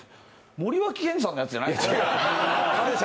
森脇健児さんのやつじゃないですよね？